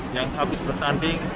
yang habis bertanding